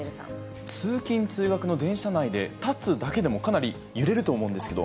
通勤・通学の電車内で立つだけでもかなり揺れると思うんですけど。